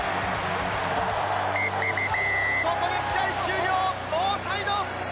ここで試合終了ノーサイド！